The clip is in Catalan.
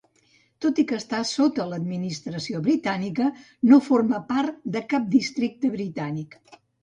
Tot i que està sota administració britànica, no forma part de cap districte britànic.